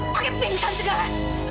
pakai bintang segala